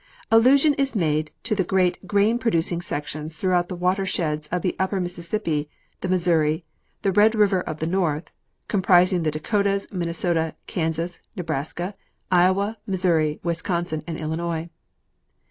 Allusion is made to the great grain producing sections throughout the water sheds of the upper Mississippi, the Missouri, the Red river of the North, comprising the Dakotas, Minnesota, Kansas, Nebraska, Iowa, Missouri, Wisconsin and Illinois.